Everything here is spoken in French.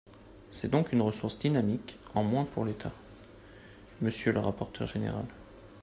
C’est donc une ressource dynamique en moins pour l’État, monsieur le rapporteur général